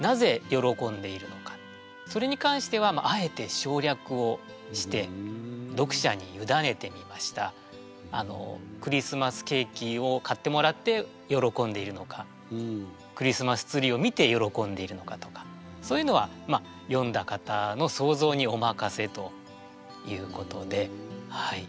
でその理由についてですねクリスマスケーキを買ってもらって喜んでいるのかクリスマスツリーを見て喜んでいるのかとかそういうのは読んだ方の想像にお任せということではい。